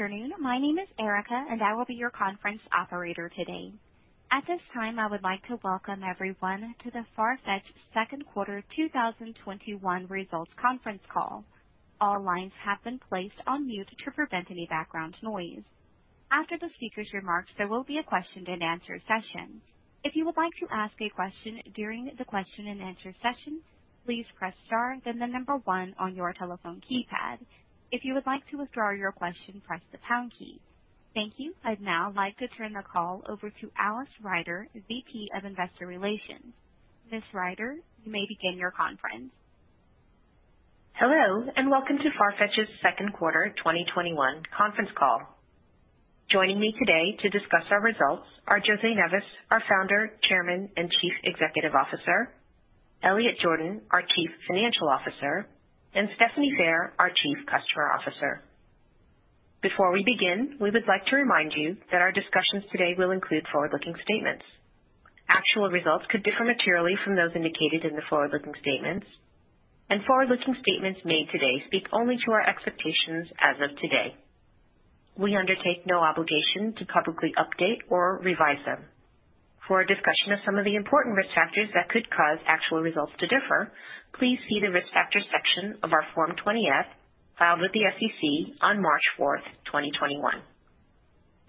Good afternoon. My name is Erica, and I will be your conference operator today. At this time, I would like to welcome everyone to the Farfetch second quarter 2021 results conference call. All lines have been placed on mute to prevent any background noise. After the speaker's remarks, there will be a question and answer session. If you would like to ask a question during the question and answer session, please press star, then the number one on your telephone keypad. If you would like to withdraw your question, press the pound key. Thank you. I'd now like to turn the call over to Alice Ryder, VP of Investor Relations. Ms. Ryder, you may begin your conference. Hello, welcome to Farfetch's second quarter 2021 conference call. Joining me today to discuss our results are José Neves, our founder, Chairman, and Chief Executive Officer, Elliot Jordan, our Chief Financial Officer, and Stephanie Phair, our Chief Customer Officer. Before we begin, we would like to remind you that our discussions today will include forward-looking statements. Actual results could differ materially from those indicated in the forward-looking statements, forward-looking statements made today speak only to our expectations as of today. We undertake no obligation to publicly update or revise them. For a discussion of some of the important risk factors that could cause actual results to differ, please see the Risk Factors section of our Form 20-F filed with the SEC on March 4th, 2021.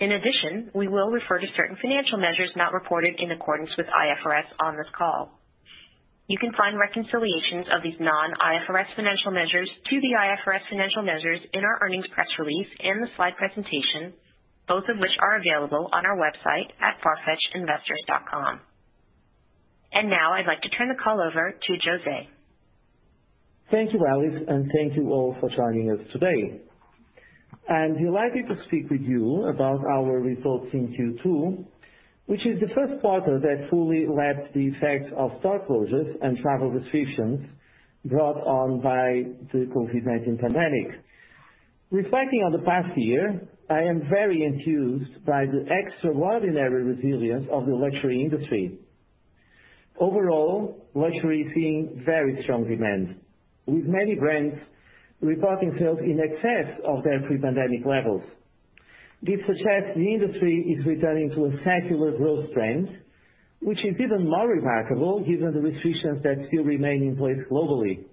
In addition, we will refer to certain financial measures not reported in accordance with IFRS on this call. You can find reconciliations of these non-IFRS financial measures to the IFRS financial measures in our earnings press release and the slide presentation, both of which are available on our website at farfetchinvestors.com. Now I'd like to turn the call over to José. Thank you, Alice, and thank you all for joining us today. I'm delighted to speak with you about our results in Q2, which is the first quarter that fully lacked the effects of store closures and travel restrictions brought on by the COVID-19 pandemic. Reflecting on the past year, I am very enthused by the extraordinary resilience of the luxury industry. Overall, luxury is seeing very strong demand, with many brands reporting sales in excess of their pre-pandemic levels. This suggests the industry is returning to a secular growth trend, which is even more remarkable given the restrictions that still remain in place globally.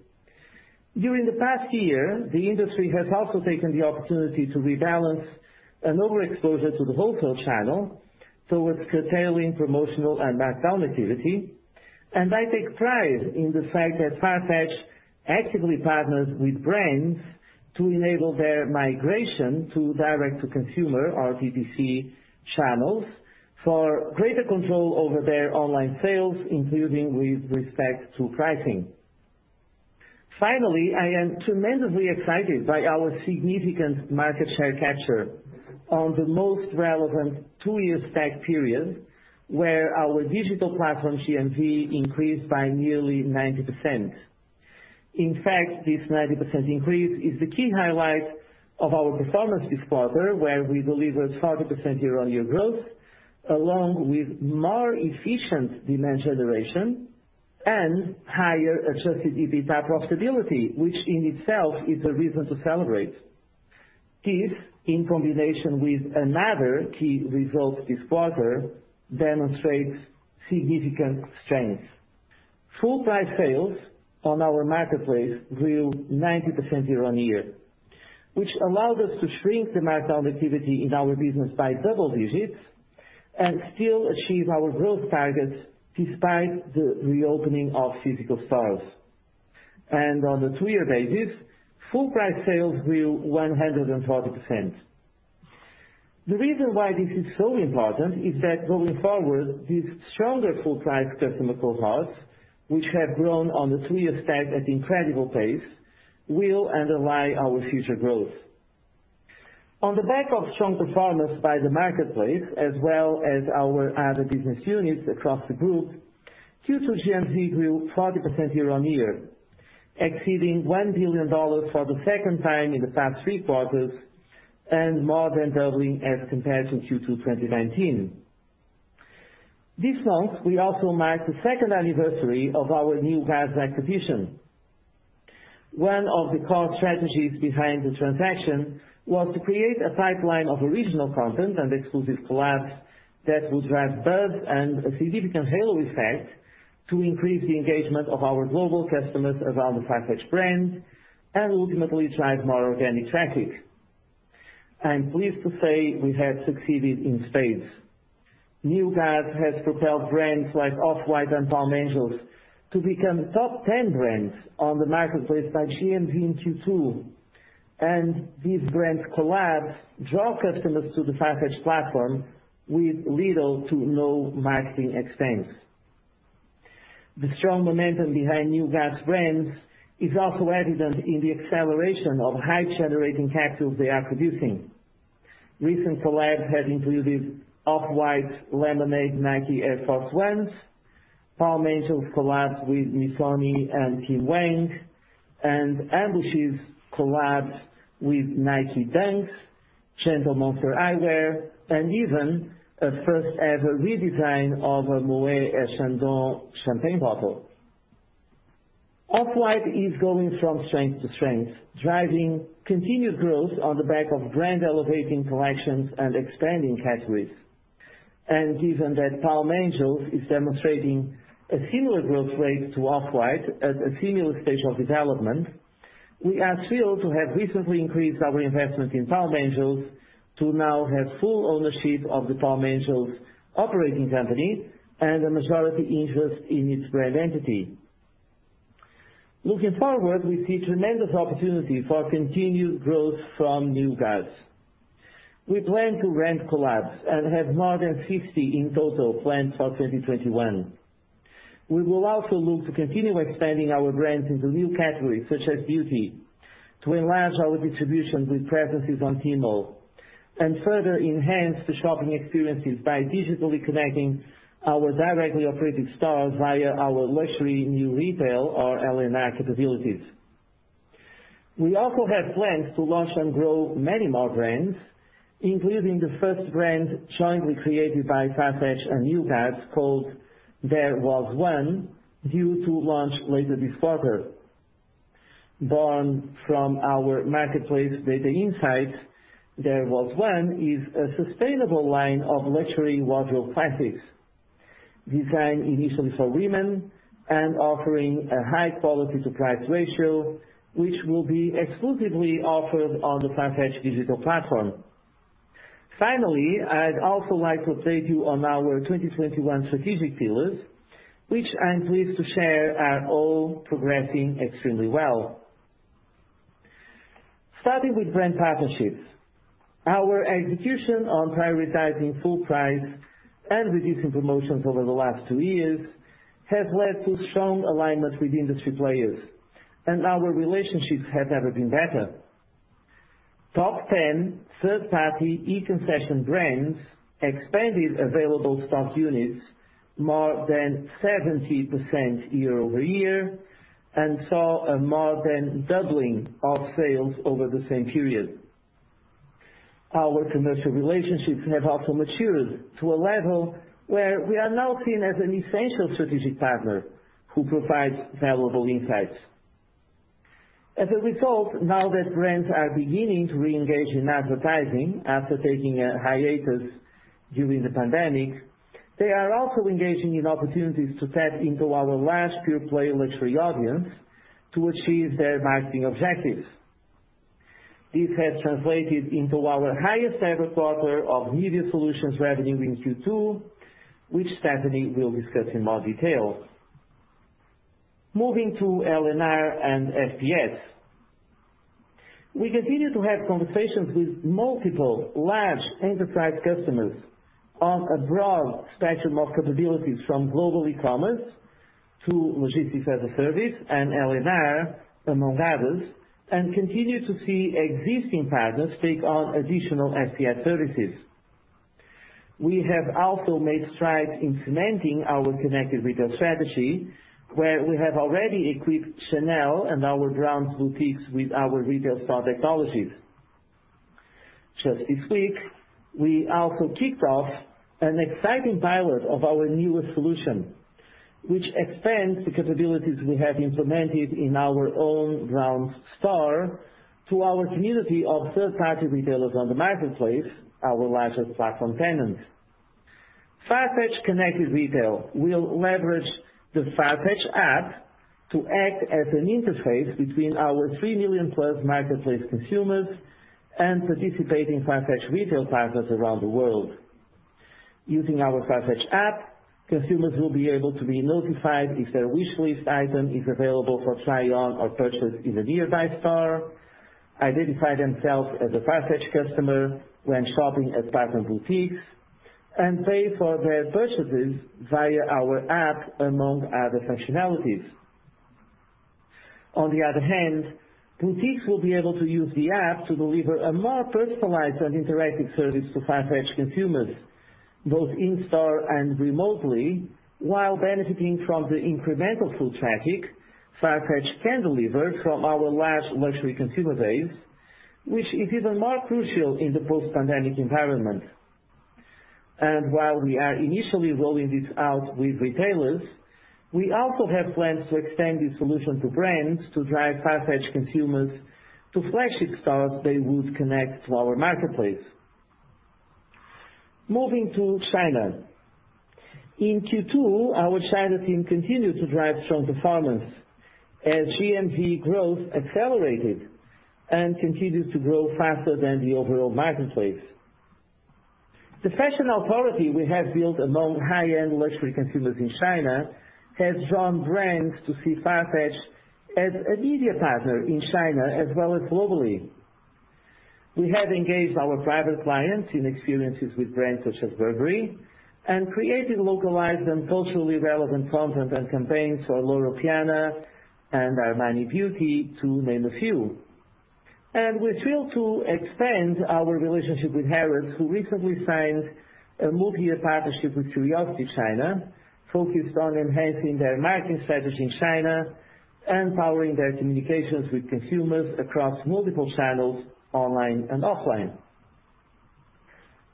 During the past year, the industry has also taken the opportunity to rebalance an overexposure to the wholesale channel towards curtailing promotional and markdown activity. I take pride in the fact that Farfetch actively partners with brands to enable their migration to direct-to-consumer, or DTC, channels for greater control over their online sales, including with respect to pricing. Finally, I am tremendously excited by our significant market share capture on the most relevant two-year stack period, where our digital platform GMV increased by nearly 90%. In fact, this 90% increase is the key highlight of our performance this quarter, where we delivered 40% year-on-year growth, along with more efficient demand generation and higher adjusted EBITDA profitability, which in itself is a reason to celebrate. This, in combination with another key result this quarter, demonstrates significant strength. Full-price sales on our marketplace grew 90% year-on-year, which allowed us to shrink the markdown activity in our business by double digits and still achieve our growth targets despite the reopening of physical stores. On a two-year basis, full price sales grew 140%. The reason why this is so important is that going forward, these stronger full-price customer cohorts, which have grown on the two-year stack at incredible pace, will underlie our future growth. On the back of strong performance by the marketplace, as well as our other business units across the group, Q2 GMV grew 40% year-on-year, exceeding $1 billion for the second time in the past three quarters and more than doubling as compared to Q2 2019. This month, we also marked the second anniversary of our New Guards acquisition. One of the core strategies behind the transaction was to create a pipeline of original content and exclusive collabs that would drive buzz and a significant halo effect to increase the engagement of our global customers around the Farfetch brand and ultimately drive more organic traffic. I'm pleased to say we have succeeded in spades. New Guards has propelled brands like Off-White and Palm Angels to become top 10 brands on the marketplace by GMV in Q2. These brands' collabs draw customers to the Farfetch platform with little to no marketing expense. The strong momentum behind New Guard's brands is also evident in the acceleration of hype-generating capsules they are producing. Recent collabs have included Off-White, Lemonade, Nike Air Force 1s, Palm Angels collabs with Missoni and Vilebrequin, and Ambush's collabs with Nike Dunks, Gentle Monster eyewear, and even a first-ever redesign of a Moët & Chandon champagne bottle. Off-White is going from strength to strength, driving continued growth on the back of brand-elevating collections and expanding categories. Given that Palm Angels is demonstrating a similar growth rate to Off-White at a similar stage of development, we are thrilled to have recently increased our investment in Palm Angels to now have full ownership of the Palm Angels operating company and a majority interest in its brand entity. Looking forward, we see tremendous opportunity for continued growth from New Guards. We plan to rent collabs and have more than 50 in total planned for 2021. We will also look to continue expanding our brands into new categories, such as beauty, to enlarge our distribution with presences on Tmall, and further enhance the shopping experiences by digitally connecting our directly operated stores via our Luxury New Retail, or LNR, capabilities. We also have plans to launch and grow many more brands, including the first brand jointly created by Farfetch and New Guards called There Was One, due to launch later this quarter. Born from our marketplace data insights, There Was One is a sustainable line of luxury wardrobe classics, designed initially for women and offering a high quality to price ratio, which will be exclusively offered on the Farfetch digital platform. Finally, I'd also like to update you on our 2021 strategic pillars, which I'm pleased to share are all progressing extremely well. Starting with brand partnerships. Our execution on prioritizing full price and reducing promotions over the last two years has led to strong alignment with industry players. Our relationships have never been better. Top 10 third-party e-concession brands expanded available stock units more than 70% year-over-year, and saw a more than doubling of sales over the same period. Our commercial relationships have also matured to a level where we are now seen as an essential strategic partner who provides valuable insights. As a result, now that brands are beginning to reengage in advertising after taking a hiatus during the pandemic, they are also engaging in opportunities to tap into our large pure-play luxury audience to achieve their marketing objectives. This has translated into our highest ever quarter of media solutions revenue in Q2, which Stephanie will discuss in more detail. Moving to LNR and FPS. We continue to have conversations with multiple large enterprise customers on a broad spectrum of capabilities from global e-commerce to logistics as a service and LNR, among others, and continue to see existing partners take on additional FPS services. We have also made strides in cementing our Connected Retail strategy, where we have already equipped Chanel and our Browns boutiques with our retail store technologies. Just this week, we also kicked off an exciting pilot of our newest solution, which expands the capabilities we have implemented in our own Browns store to our community of third-party retailers on the marketplace, our largest platform tenants. Farfetch Connected Retail will leverage the Farfetch app to act as an interface between our 3 million+ marketplace consumers and participating Farfetch retail partners around the world. Using our Farfetch app, consumers will be able to be notified if their wish list item is available for try on or purchase in a nearby store, identify themselves as a Farfetch customer when shopping at partner boutiques, and pay for their purchases via our app, among other functionalities. On the other hand, boutiques will be able to use the app to deliver a more personalized and interactive service to Farfetch consumers, both in-store and remotely, while benefiting from the incremental foot traffic Farfetch can deliver from our large luxury consumer base, which is even more crucial in the post-pandemic environment. While we are initially rolling this out with retailers, we also have plans to extend this solution to brands to drive Farfetch consumers to flagship stores they would connect to our marketplace. Moving to China. In Q2, our China team continued to drive strong performance as GMV growth accelerated and continued to grow faster than the overall marketplace. The fashion authority we have built among high-end luxury consumers in China has drawn brands to see Farfetch as a media partner in China as well as globally. We have engaged our private clients in experiences with brands such as Burberry and created localized and socially relevant content and campaigns for Loro Piana and Armani Beauty, to name a few. We're thrilled to expand our relationship with Harrods, who recently signed a multi-year partnership with CuriosityChina focused on enhancing their marketing strategy in China and powering their communications with consumers across multiple channels online and offline.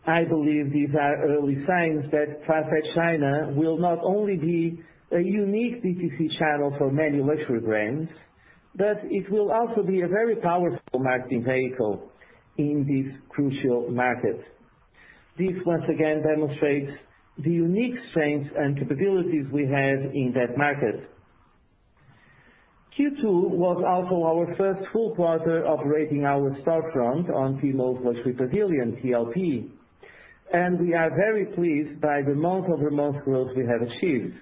I believe these are early signs that Farfetch China will not only be a unique B2C channel for many luxury brands, but it will also be a very powerful marketing vehicle in this crucial market. This once again demonstrates the unique strengths and capabilities we have in that market. Q2 was also our first full quarter operating our storefront on Tmall Luxury Pavilion, TLP, and we are very pleased by the month-over-month growth we have achieved.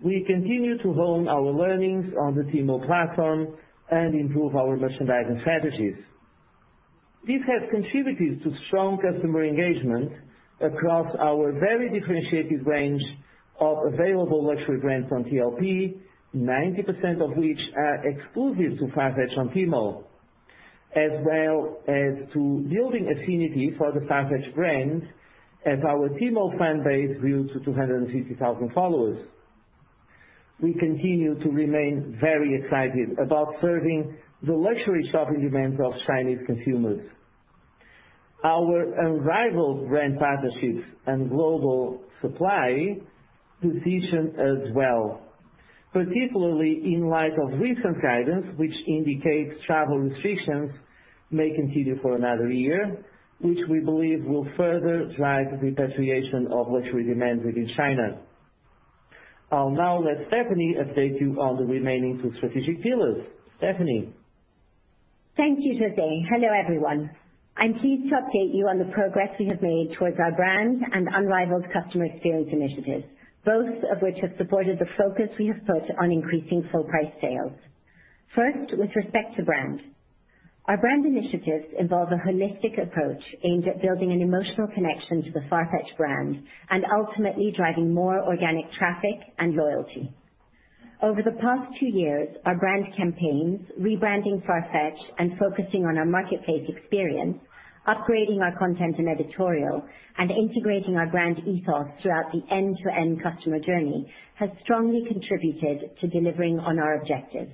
We continue to hone our learnings on the Tmall platform and improve our merchandising strategies. This has contributed to strong customer engagement across our very differentiated range of available luxury brands on TLP, 90% of which are exclusive to Farfetch on Tmall, as well as to building affinity for the Farfetch brand as our Tmall fan base grew to 250,000 followers. We continue to remain very excited about serving the luxury shopping demands of Chinese consumers. Our unrivaled brand partnerships and global supply position as well, particularly in light of recent guidance, which indicates travel restrictions may continue for another year, which we believe will further drive the repatriation of luxury demand within China. I'll now let Stephanie update you on the remaining two strategic pillars. Stephanie. Thank you, José. Hello, everyone. I'm pleased to update you on the progress we have made towards our brand and unrivaled customer experience initiatives, both of which have supported the focus we have put on increasing full price sales. With respect to brand. Our brand initiatives involve a holistic approach aimed at building an emotional connection to the Farfetch brand and ultimately driving more organic traffic and loyalty. Over the past two years, our brand campaigns, rebranding Farfetch, and focusing on our marketplace experience, upgrading our content and editorial, and integrating our brand ethos throughout the end-to-end customer journey, has strongly contributed to delivering on our objectives.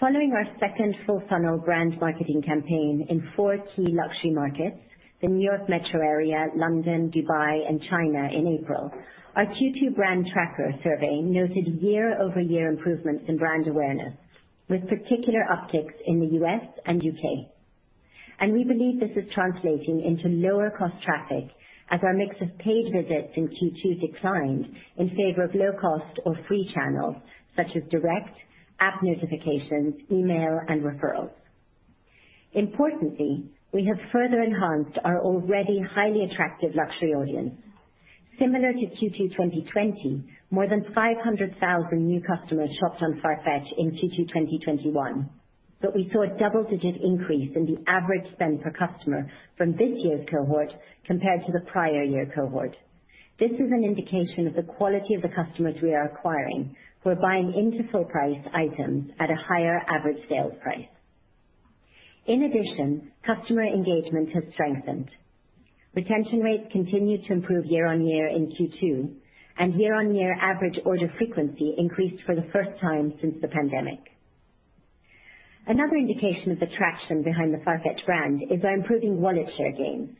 Following our second full funnel brand marketing campaign in four key luxury markets, the New York Metro area, London, Dubai, and China in April, our Q2 brand tracker survey noted year-over-year improvements in brand awareness, with particular upticks in the U.S. and U.K. We believe this is translating into lower cost traffic as our mix of paid visits in Q2 declined in favor of low-cost or free channels, such as direct, app notifications, email, and referrals. Importantly, we have further enhanced our already highly attractive luxury audience. Similar to Q2 2020, more than 500,000 new customers shopped on Farfetch in Q2 2021, but we saw a double-digit increase in the average spend per customer from this year's cohort compared to the prior year cohort. This is an indication of the quality of the customers we are acquiring, who are buying into full price items at a higher average sales price. In addition, customer engagement has strengthened. Retention rates continued to improve year-on-year in Q2, and year-on-year average order frequency increased for the first time since the pandemic. Another indication of the traction behind the Farfetch brand is our improving wallet share gains.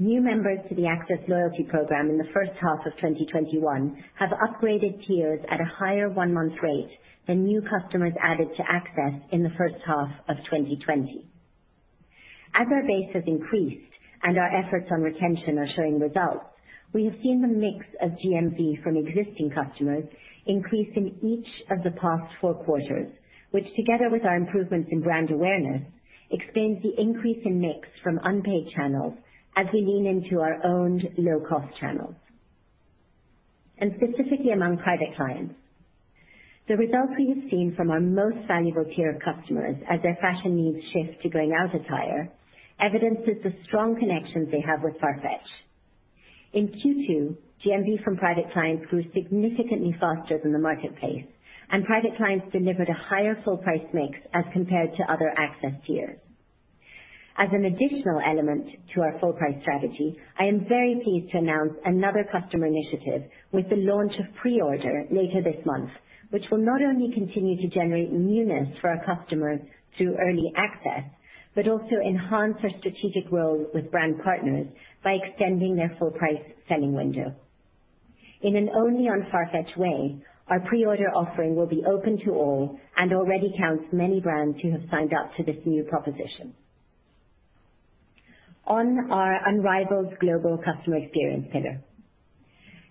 New members to the Access loyalty program in the first half of 2021 have upgraded tiers at a higher one-month rate than new customers added to Access in the first half of 2020. As our base has increased and our efforts on retention are showing results, we have seen the mix of GMV from existing customers increase in each of the past four quarters, which together with our improvements in brand awareness, explains the increase in mix from unpaid channels as we lean into our owned low-cost channels. Specifically among Private Clients. The results we have seen from our most valuable tier of customers as their fashion needs shift to going out attire, evidences the strong connections they have with Farfetch. In Q2, GMV from Private Clients grew significantly faster than the Marketplace, Private Clients delivered a higher full price mix as compared to other Access Tiers. As an additional element to our full price strategy, I am very pleased to announce another customer initiative with the launch of pre-order later this month, which will not only continue to generate newness for our customers through early access, but also enhance our strategic role with brand partners by extending their full price selling window. In an only on Farfetch way, our pre-order offering will be open to all and already counts many brands who have signed up to this new proposition. On our unrivaled global customer experience pillar.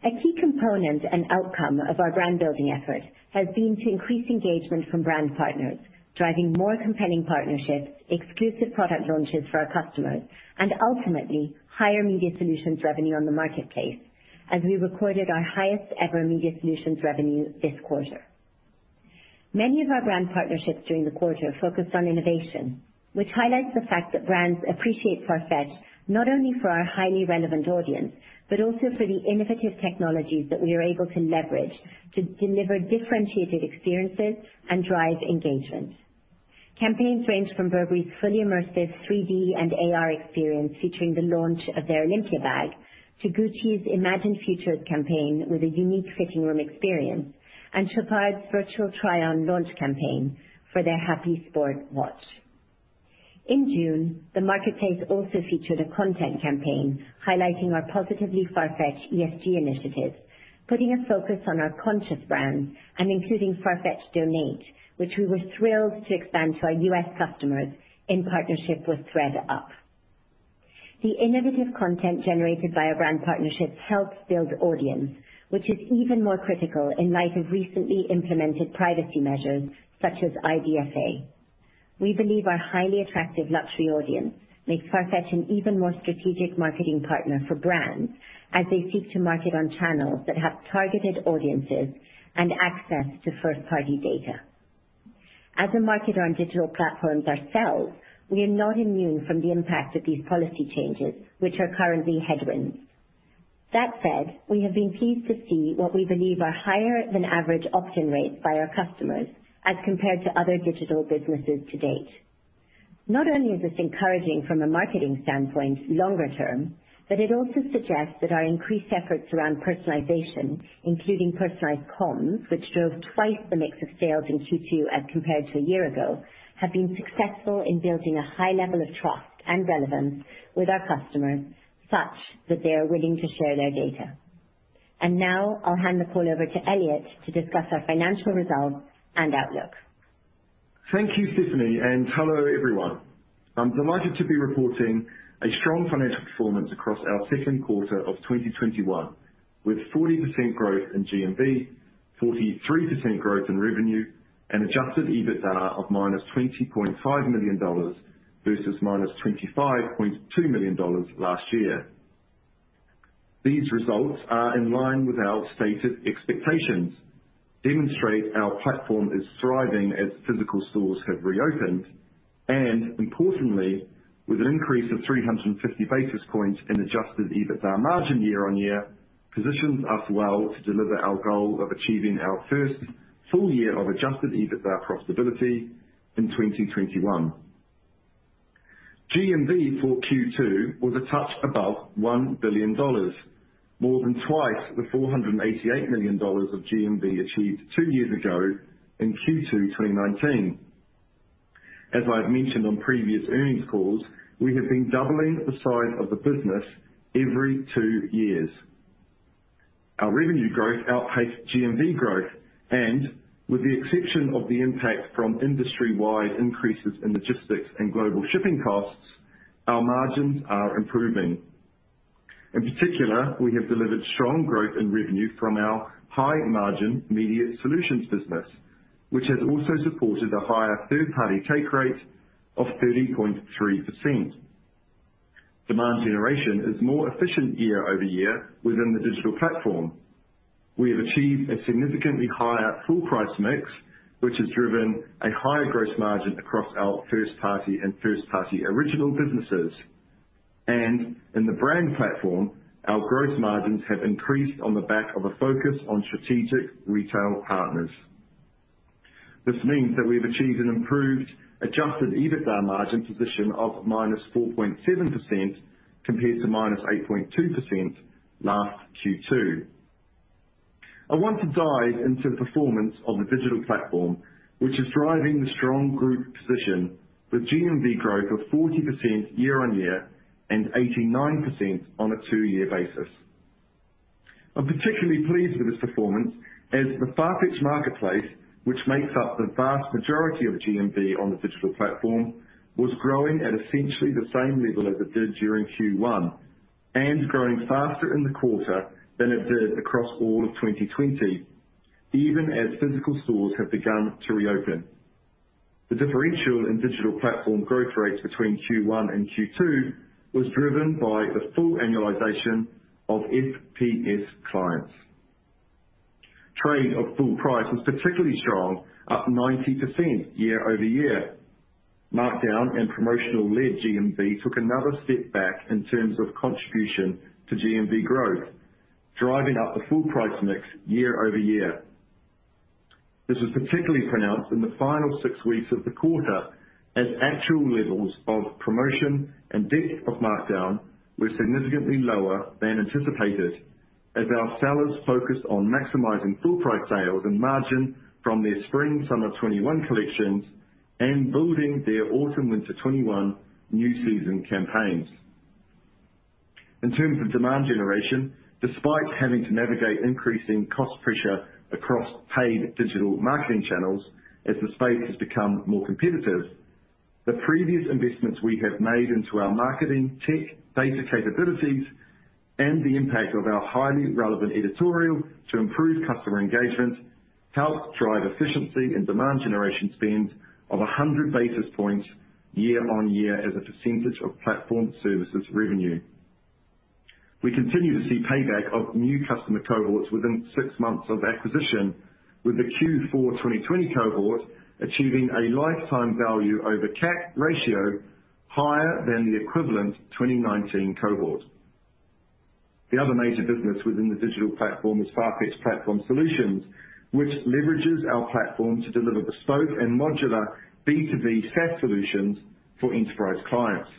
A key component and outcome of our brand-building effort has been to increase engagement from brand partners, driving more compelling partnerships, exclusive product launches for our customers, and ultimately, higher media solutions revenue on the marketplace, as we recorded our highest-ever media solutions revenue this quarter. Many of our brand partnerships during the quarter focused on innovation, which highlights the fact that brands appreciate Farfetch, not only for our highly relevant audience, but also for the innovative technologies that we are able to leverage to deliver differentiated experiences and drive engagement. Campaigns range from Burberry's fully immersive 3D and AR experience featuring the launch of their Olympia bag, to Gucci's Imagine Futures campaign with a unique fitting room experience, and Chopard's virtual try-on launch campaign for their Happy Sport watch. In June, the marketplace also featured a content campaign highlighting our positively Farfetch ESG initiatives, putting a focus on our conscious brand and including Farfetch Donate, which we were thrilled to expand to our U.S. customers in partnership with ThredUp. The innovative content generated by our brand partnerships helps build audience, which is even more critical in light of recently implemented privacy measures such as IDFA. We believe our highly attractive luxury audience makes Farfetch an even more strategic marketing partner for brands as they seek to market on channels that have targeted audiences and access to first-party data. As a marketer on digital platforms ourselves, we are not immune from the impact of these policy changes, which are currently headwinds. That said, we have been pleased to see what we believe are higher than average opt-in rates by our customers as compared to other digital businesses to date. Not only is this encouraging from a marketing standpoint longer term, but it also suggests that our increased efforts around personalization, including personalized comms, which drove twice the mix of sales in Q2 as compared to a year ago, have been successful in building a high level of trust and relevance with our customers such that they are willing to share their data. Now I'll hand the call over to Elliot to discuss our financial results and outlook. Thank you, Stephanie. Hello, everyone. I'm delighted to be reporting a strong financial performance across our second quarter of 2021, with 40% growth in GMV, 43% growth in revenue, and adjusted EBITDA of -$20.5 million versus -$25.2 million last year. These results are in line with our stated expectations, demonstrate our platform is thriving as physical stores have reopened, and importantly, with an increase of 350 basis points in adjusted EBITDA margin year-on-year, positions us well to deliver our goal of achieving our first full year of adjusted EBITDA profitability in 2021. GMV for Q2 was a touch above $1 billion, more than twice the $488 million of GMV achieved two years ago in Q2 2019. As I've mentioned on previous earnings calls, we have been doubling the size of the business every two years. Our revenue growth outpaced GMV growth and, with the exception of the impact from industry-wide increases in logistics and global shipping costs, our margins are improving. In particular, we have delivered strong growth in revenue from our high-margin media solutions business, which has also supported a higher third-party take rate of 30.3%. Demand generation is more efficient year-over-year within the digital platform. We have achieved a significantly higher full price mix, which has driven a higher gross margin across our first-party and first-party original businesses. In the brand platform, our gross margins have increased on the back of a focus on strategic retail partners. This means that we've achieved an improved adjusted EBITDA margin position of -4.7% compared to -8.2% last Q2. I want to dive into the performance of the digital platform, which is driving the strong group position with GMV growth of 40% year-over-year and 89% on a two-year basis. I'm particularly pleased with this performance as the Farfetch marketplace, which makes up the vast majority of GMV on the digital platform, was growing at essentially the same level as it did during Q1 and growing faster in the quarter than it did across all of 2020, even as physical stores have begun to reopen. The differential in digital platform growth rates between Q1 and Q2 was driven by the full annualization of FPS clients. Trade of full price was particularly strong, up 90% year-over-year. Markdown and promotional-led GMV took another step back in terms of contribution to GMV growth, driving up the full price mix year-over-year. This was particularly pronounced in the final six weeks of the quarter as actual levels of promotion and depth of markdown were significantly lower than anticipated as our sellers focused on maximizing full price sales and margin from their spring/summer 2021 collections and building their autumn/winter 2021 new season campaigns. In terms of demand generation, despite having to navigate increasing cost pressure across paid digital marketing channels as the space has become more competitive, the previous investments we have made into our marketing tech data capabilities and the impact of our highly relevant editorial to improve customer engagement, help drive efficiency and demand generation spend of 100 basis points year-over-year as a percentage of platform services revenue. We continue to see payback of new customer cohorts within six months of acquisition, with the Q4 2020 cohort achieving a lifetime value over CAC ratio higher than the equivalent 2019 cohort. The other major business within the digital platform is Farfetch Platform Solutions, which leverages our platform to deliver bespoke and modular B2B SaaS solutions for enterprise clients.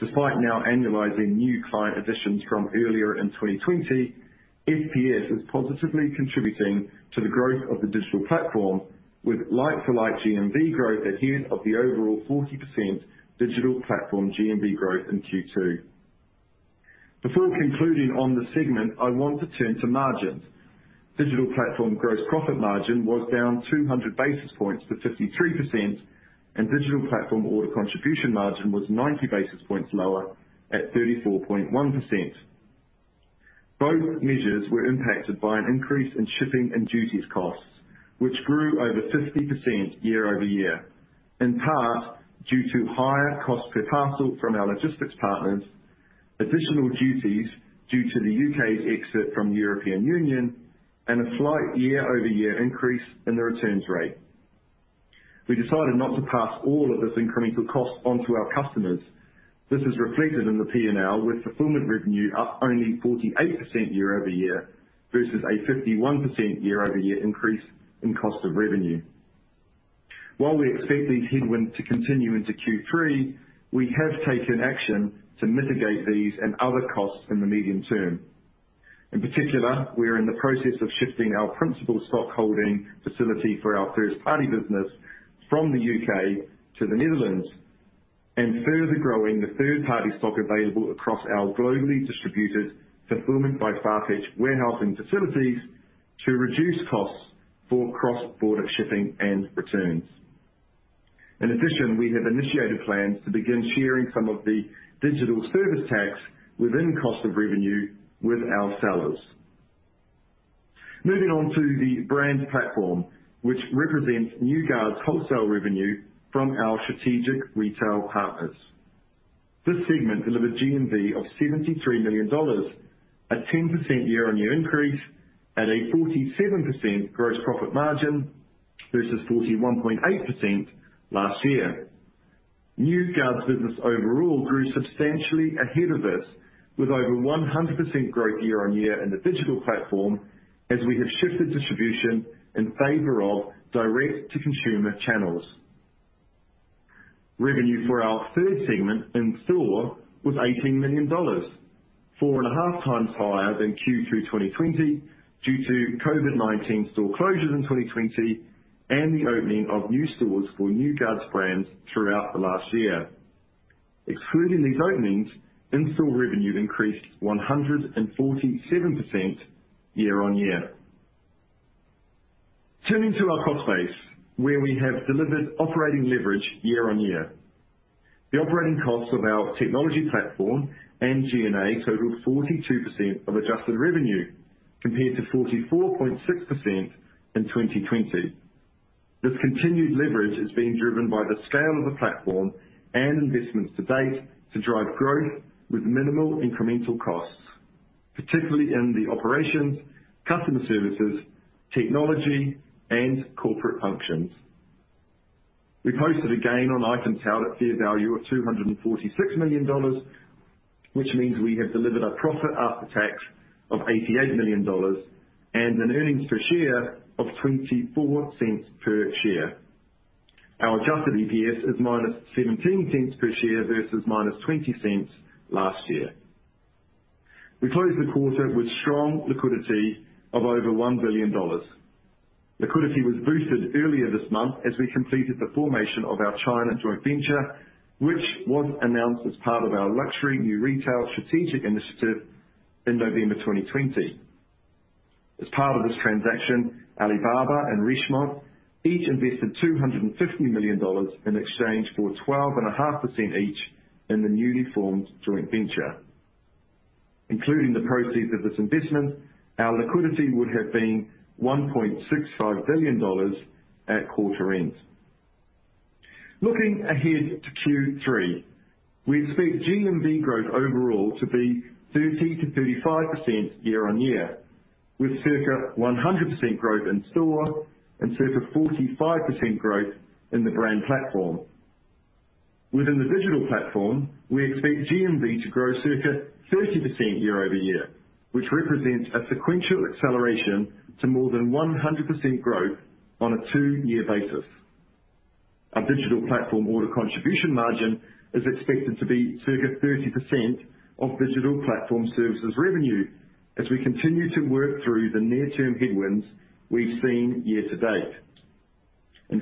Despite now annualizing new client additions from earlier in 2020, FPS is positively contributing to the growth of the digital platform with like-to-like GMV growth ahead of the overall 40% digital platform GMV growth in Q2. Before concluding on this segment, I want to turn to margins. Digital platform gross profit margin was down 200 basis points to 53%, and digital platform order contribution margin was 90 basis points lower at 34.1%. Both measures were impacted by an increase in shipping and duties costs, which grew over 50% year-over-year, in part due to higher cost per parcel from our logistics partners, additional duties due to the U.K.'s exit from the European Union, and a slight year-over-year increase in the returns rate. We decided not to pass all of this incremental cost on to our customers. This is reflected in the P&L with fulfillment revenue up only 48% year-over-year versus a 51% year-over-year increase in cost of revenue. While we expect these headwinds to continue into Q3, we have taken action to mitigate these and other costs in the medium term. In particular, we are in the process of shifting our principal stock holding facility for our first-party business from the U.K. to the Netherlands and further growing the third-party stock available across our globally distributed Fulfilment by Farfetch warehousing facilities to reduce costs for cross-border shipping and returns. In addition, we have initiated plans to begin sharing some of the digital service tax within cost of revenue with our sellers. Moving on to the brand platform, which represents New Guards' wholesale revenue from our strategic retail partners. This segment delivered GMV of $73 million, a 10% year-on-year increase at a 47% gross profit margin versus 41.8% last year. New Guards' business overall grew substantially ahead of this with over 100% growth year-on-year in the digital platform as we have shifted distribution in favor of direct-to-consumer channels. Revenue for our third segment, In Store, was $18 million, four and a half times higher than Q2 2020 due to COVID-19 store closures in 2020 and the opening of new stores for New Guards' brands throughout the last year. Excluding these openings, In Store revenue increased 147% year-over-year. Turning to our cost base, where we have delivered operating leverage year-over-year. The operating costs of our technology platform and G&A total 42% of adjusted revenue, compared to 44.6% in 2020. This continued leverage is being driven by the scale of the platform and investments to date to drive growth with minimal incremental costs, particularly in the operations, customer services, technology, and corporate functions. We posted a gain on items held at fair value of $246 million, which means we have delivered a profit after tax of $88 million and an earnings per share of $0.24 per share. Our adjusted EPS is -$0.17 per share versus -$0.20 last year. We closed the quarter with strong liquidity of over $1 billion. Liquidity was boosted earlier this month as we completed the formation of our China joint venture, which was announced as part of our Luxury New Retail strategic initiative in November 2020. As part of this transaction, Alibaba and Richemont each invested $250 million in exchange for 12.5% each in the newly formed joint venture. Including the proceeds of this investment, our liquidity would have been $1.65 billion at quarter end. Looking ahead to Q3, we expect GMV growth overall to be 30%-35% year-on-year, with circa 100% growth In Store and circa 45% growth in the brand platform. Within the digital platform, we expect GMV to grow circa 30% year-over-year, which represents a sequential acceleration to more than 100% growth on a two-year basis. Our digital platform order contribution margin is expected to be circa 30% of digital platform services revenue as we continue to work through the near-term headwinds we've seen year-to-date.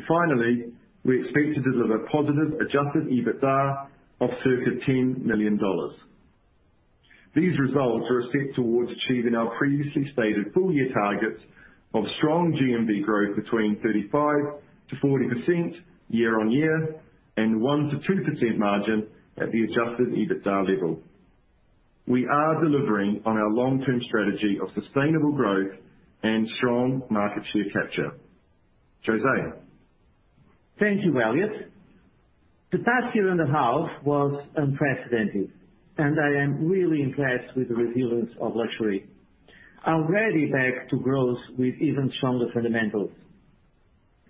Finally, we expect to deliver positive adjusted EBITDA of circa $10 million. These results are a step towards achieving our previously stated full-year targets of strong GMV growth between 35%-40% year-on-year and 1%-2% margin at the adjusted EBITDA level. We are delivering on our long-term strategy of sustainable growth and strong market share capture. José. Thank you, Elliot. The past year and a half was unprecedented, and I am really impressed with the resilience of luxury. Already back to growth with even stronger fundamentals.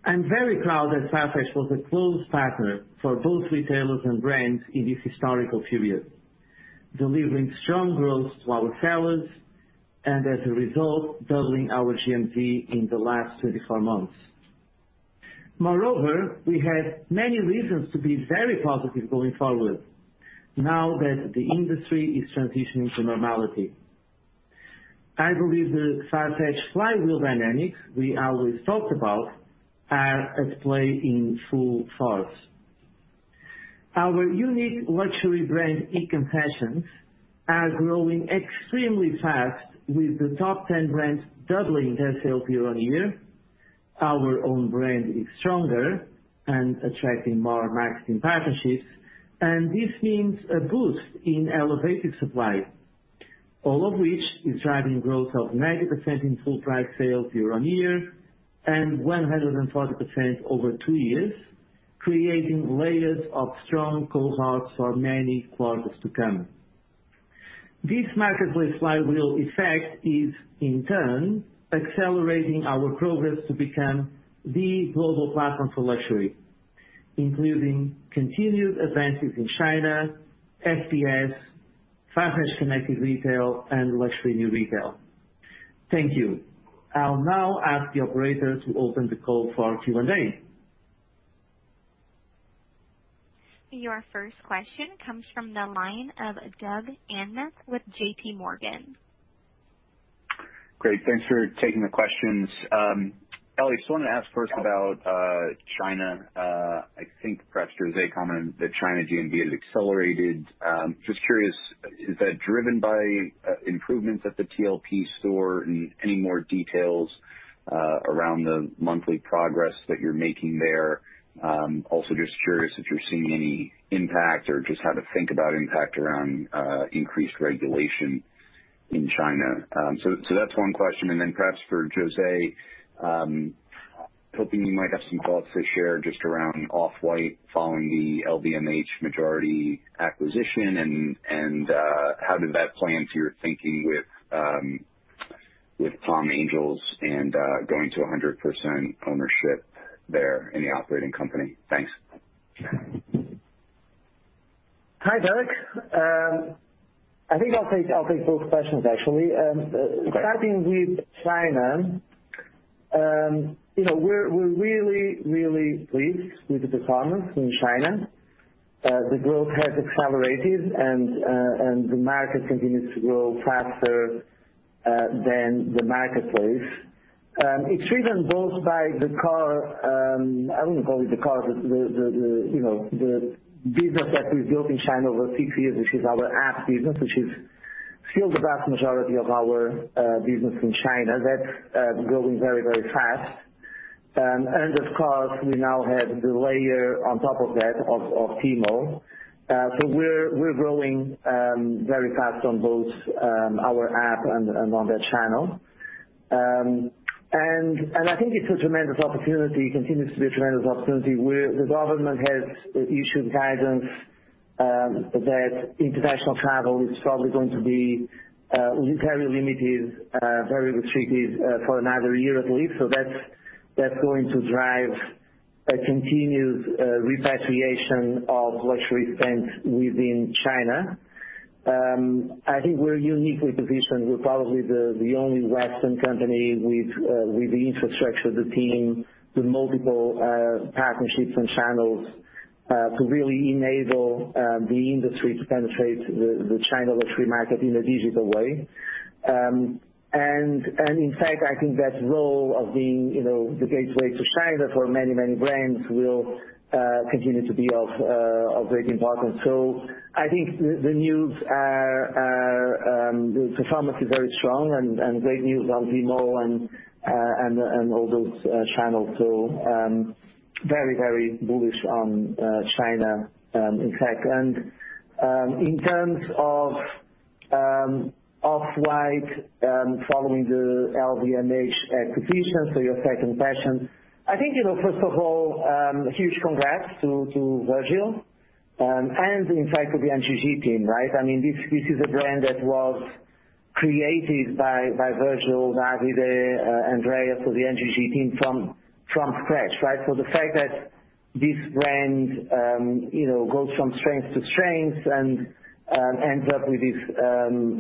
I'm very proud that Farfetch was a close partner for both retailers and brands in this historical period, delivering strong growth to our sellers and as a result, doubling our GMV in the last 24 months. We have many reasons to be very positive going forward now that the industry is transitioning to normality. I believe the Farfetch flywheel dynamics we always talked about are at play in full force. Our unique luxury brand e-concessions are growing extremely fast, with the top 10 brands doubling their sales year-over-year. This means a boost in elevated supply. All of which is driving growth of 90% in full price sales year on year, and 140% over two years, creating layers of strong cohorts for many quarters to come. This marketplace flywheel effect is, in turn, accelerating our progress to become the global platform for luxury, including continued advances in China, FPS, Farfetch Connected Retail, and Luxury New Retail. Thank you. I'll now ask the operator to open the call for Q&A. Your first question comes from the line of Douglas Anmuth with JP Morgan. Great. Thanks for taking the questions. Elliot, just want to ask first about China. I think perhaps José commented that China GMV has accelerated. Just curious, is that driven by improvements at the TLP store, and any more details around the monthly progress that you're making there? Just curious if you're seeing any impact or just how to think about impact around increased regulation in China. That's one question. Then perhaps for José, hoping you might have some thoughts to share just around Off-White following the LVMH majority acquisition and how did that play into your thinking with Palm Angels and going to 100% ownership there in the operating company? Thanks. Hi, Doug. I think I'll take both questions, actually. Great. Starting with China. We're really pleased with the performance in China. The growth has accelerated. The market continues to grow faster than the marketplace. It's driven both by the core, I wouldn't call it the core, but the business that we've built in China over six years, which is our app business, which is still the vast majority of our business in China. That's growing very fast. Of course, we now have the layer on top of that, of Tmall. We're growing very fast on both our app and on that channel. I think it's a tremendous opportunity, continues to be a tremendous opportunity, where the government has issued guidance that international travel is probably going to be very limited, restricted, for another year at least. That's going to drive a continued repatriation of luxury spend within China. We're uniquely positioned. We're probably the only Western company with the infrastructure, the team, the multiple partnerships and channels, to really enable the industry to penetrate the China luxury market in a digital way. In fact, I think that role of being the gateway to China for many, many brands will continue to be of great importance. The performance is very strong and great news on Tmall and all those channels. Very, very bullish on China, in fact. In terms of Off-White, following the LVMH acquisition, so your second question. First of all, huge congrats to Virgil, and in fact to the NGG team, right? This is a brand that was created by Virgil, Davide, Andrea. The NGG team, from scratch, right? The fact that this brand goes from strength to strength and ends up with this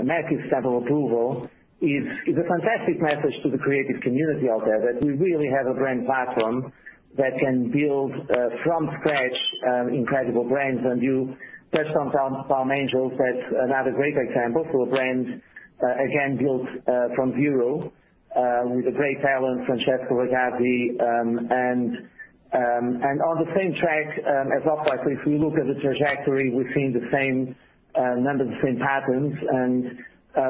massive stamp of approval is a fantastic message to the creative community out there, that we really have a brand platform that can build, from scratch, incredible brands. You touched on Palm Angels. That's another great example. A brand, again, built from zero, with a great talent, Francesco Ragazzi. On the same track as Off-White. If we look at the trajectory, we're seeing a number of the same patterns, and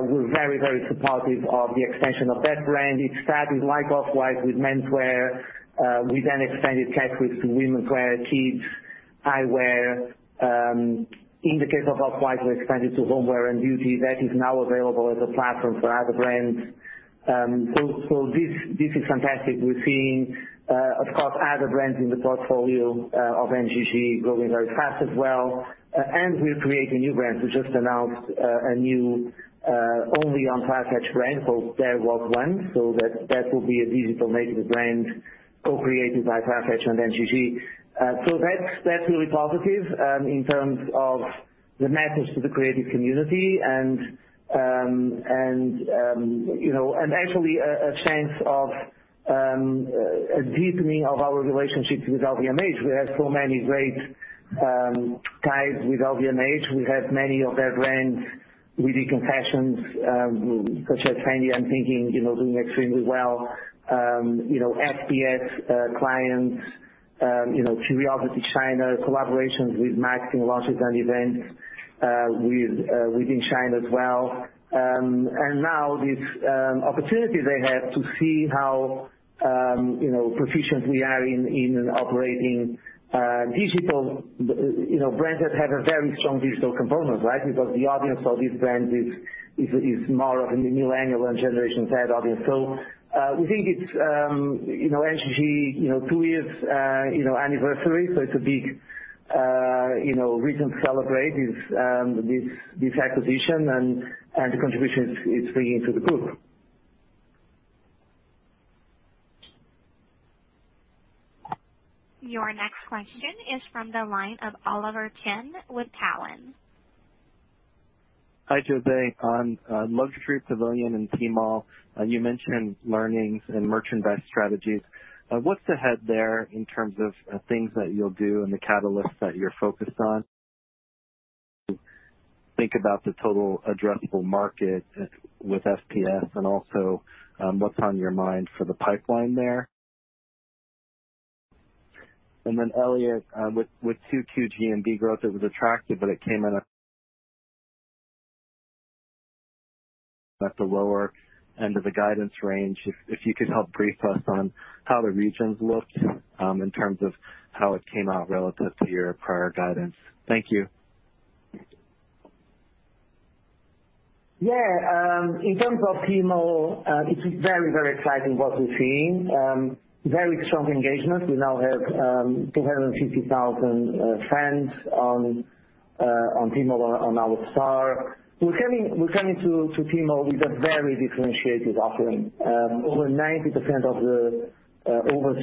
we're very, very supportive of the extension of that brand. It started, like Off-White, with menswear. We then expanded categories to womenswear, kids, eyewear. In the case of Off-White, we expanded to homeware and beauty. That is now available as a platform for other brands. This is fantastic. We're seeing, of course, other brands in the portfolio of NGG growing very fast as well. We're creating new brands. We just announced a new only on Farfetch brand called There Was One. That will be a digital native brand co-created by Farfetch and NGG. That's really positive. The message to the creative community and actually a sense of a deepening of our relationships with LVMH. We have so many great ties with LVMH. We have many of their brands with e-concessions, such as Fendi, I'm thinking, doing extremely well. FPS clients, CuriosityChina, collaborations with marketing launches and events within China as well. Now this opportunity they have to see how proficient we are in operating digital brands that have a very strong digital component. Because the audience of these brands is more of a millennial Generation Z audience. We think it's NGG, two years anniversary. It's a big reason to celebrate this acquisition and the contribution it's bringing to the group. Your next question is from the line of Oliver Chen with Cowen. Hi, José. On Luxury Pavilion and Tmall, you mentioned learnings and merchandise strategies. What's ahead there in terms of things that you'll do and the catalysts that you're focused on? Think about the total addressable market with FPS and also, what's on your mind for the pipeline there? Then Elliot, with 2Q GMV growth, it was attractive, but it came in at the lower end of the guidance range. If you could help brief us on how the regions looked in terms of how it came out relative to your prior guidance. Thank you. Yeah. In terms of Tmall, it is very exciting what we're seeing. Very strong engagement. We now have 250,000 fans on Tmall on our store. We're coming to Tmall with a very differentiated offering. Over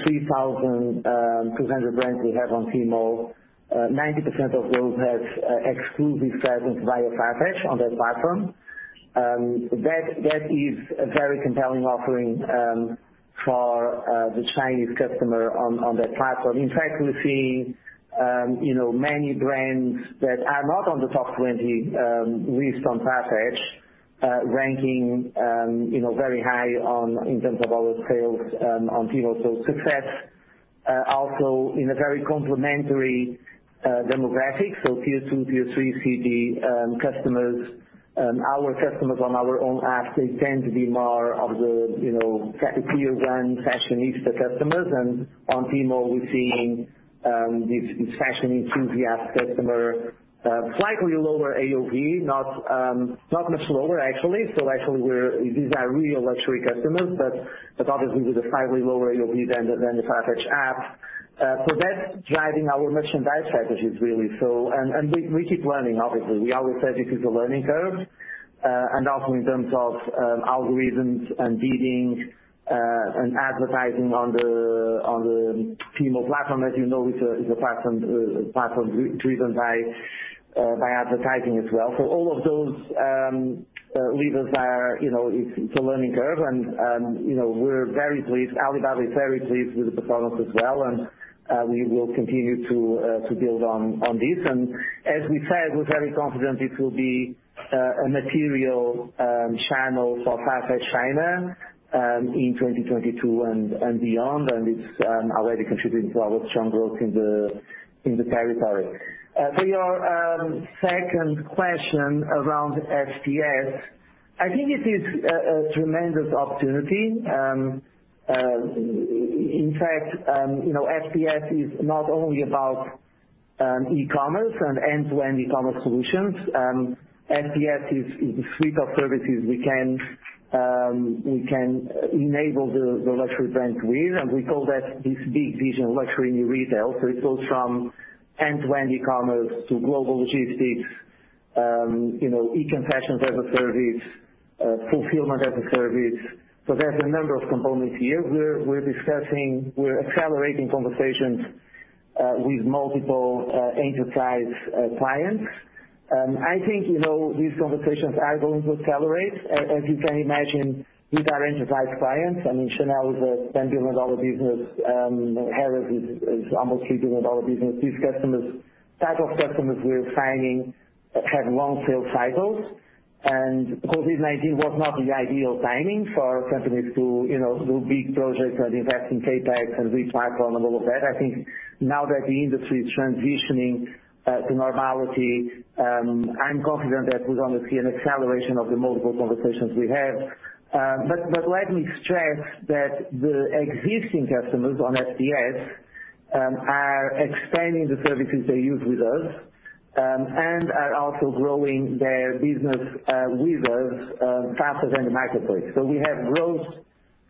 3,200 brands we have on Tmall, 90% of those have exclusive presence via Farfetch on that platform. That is a very compelling offering for the Chinese customer on that platform. In fact, we're seeing many brands that are not on the top 20 list on Farfetch ranking very high in terms of our sales on Tmall. Success also in a very complementary demographic. Tier two, tier three city customers. Our customers on our own app, they tend to be more of the tier one fashionista customers. On Tmall, we're seeing this fashion enthusiast customer, slightly lower AOV. Not much lower, actually. Actually these are real luxury customers, but obviously with a slightly lower AOV than the Farfetch app. That's driving our merchandise strategies, really. We keep learning, obviously. We always said this is a learning curve. Also in terms of algorithms and bidding, and advertising on the Tmall platform. As you know, it's a platform driven by advertising as well. All of those levers are, it's a learning curve and we're very pleased. Alibaba is very pleased with the performance as well. We will continue to build on this. As we said, we're very confident it will be a material channel for Farfetch China in 2022 and beyond. It's already contributing to our strong growth in the territory. To your second question around FPS, I think it is a tremendous opportunity. In fact, FPS is not only about e-commerce and end-to-end e-commerce solutions. FPS is a suite of services we can enable the luxury brands with. We call that this big vision, Luxury New Retail. It goes from end-to-end e-commerce to global logistics, e-concessions as a service, fulfillment as a service. There's a number of components here. We're accelerating conversations with multiple enterprise clients. These conversations are going to accelerate, as you can imagine, with our enterprise clients. Chanel is a $10 billion business. Harrods is almost $3 billion business. These type of customers we're signing have long sales cycles. COVID-19 was not the ideal timing for companies to do big projects and invest in CapEx and reach Farfetch and all of that. I think now that the industry is transitioning to normality, I'm confident that we're going to see an acceleration of the multiple conversations we have. Let me stress that the existing customers on FPS are expanding the services they use with us, and are also growing their business with us faster than the marketplace. We have growth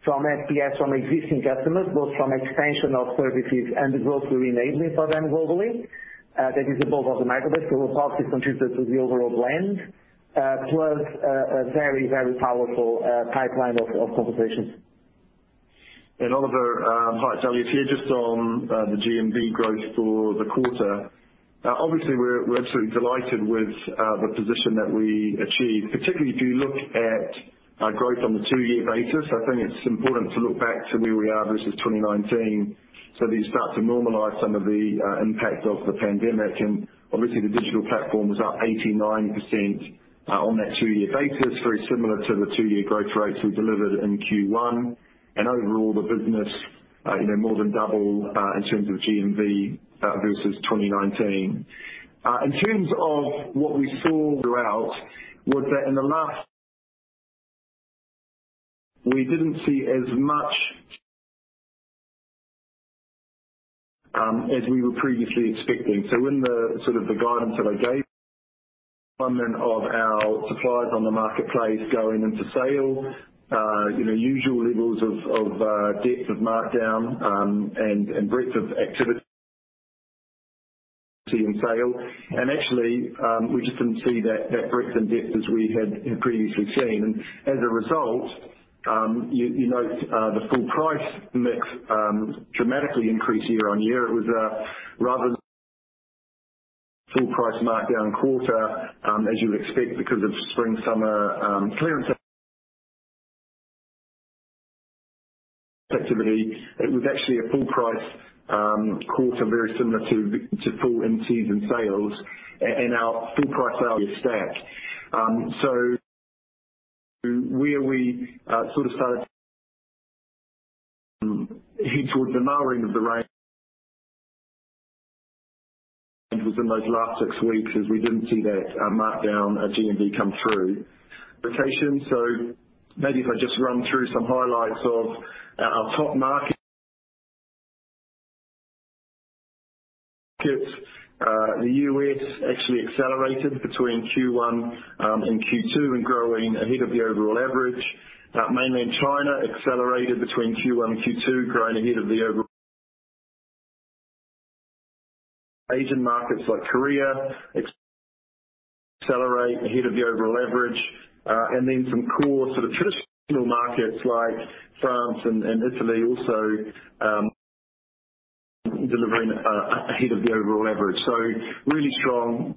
from FPS from existing customers, both from expansion of services and the growth we're enabling for them globally. That is above the marketplace, so will partly contribute to the overall blend, plus a very powerful pipeline of conversations. Oliver, hi, it's Elliot here. Just on the GMV growth for the quarter. Obviously, we're absolutely delighted with the position that we achieved, particularly if you look at our growth on the two-year basis. I think it's important to look back to where we are versus 2019, so that you start to normalize some of the impact of the pandemic. Obviously, the digital platform was up 89% on that two-year basis, very similar to the two-year growth rates we delivered in Q1. Overall, the business more than doubled in terms of GMV versus 2019. In terms of what we saw throughout was that in the last we didn't see as much as we were previously expecting, in the sort of the guidance that I gave of our suppliers on the marketplace going into sale, usual levels of depth of markdown and breadth of activity in sale. Actually, we just didn't see that breadth and depth as we had previously seen. As a result, you note the full price mix dramatically increased year on year. It was a rather full price markdown quarter as you would expect because of spring-summer clearance activity. It was actually a full price quarter very similar to full MDs and sales and our full price value stack. Where we sort of started head toward the narrowing of the range was in those last six weeks as we didn't see that markdown at GMV come through. Maybe if I just run through some highlights of our top market. The U.S. actually accelerated between Q1 and Q2 and growing ahead of the overall average. Mainland China accelerated between Q1 and Q2, growing ahead of the over Asian markets like Korea accelerate ahead of the overall average. Some core sort of traditional markets like France and Italy also delivering ahead of the overall average. Really strong